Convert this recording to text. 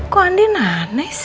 kok andien aneh sih